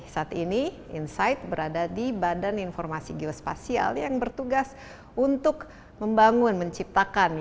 saat ini insight berada di badan informasi geospasial yang bertugas untuk membangun menciptakan